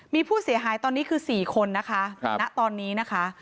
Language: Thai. มีผู้เสียหายตอนนี้คือ๔คนนะคะณตอนนี้นะคะ